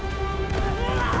うわ！